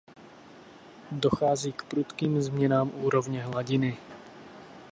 Dochází k prudkým změnám úrovně hladiny.